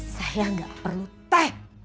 saya gak perlu teh